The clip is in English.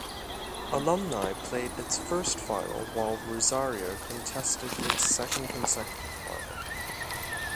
Alumni played its first final while Rosario contested its second consecutive final.